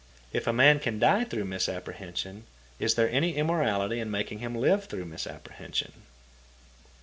If a man can die through a misapprehension, is there any immorality in making him live through a misapprehension?